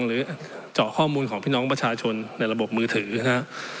หรือเจาะข้อมูลของพี่น้องประชาชนในระบบมือถือนะครับ